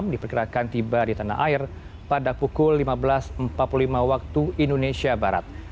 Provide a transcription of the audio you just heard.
diperkirakan tiba di tanah air pada pukul lima belas empat puluh lima waktu indonesia barat